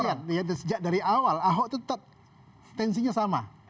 kita lihat ya sejak dari awal ahok itu tetap tensinya sama